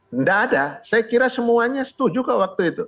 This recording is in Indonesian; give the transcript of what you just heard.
tidak ada saya kira semuanya setuju kok waktu itu